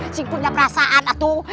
si punya perasaan atuh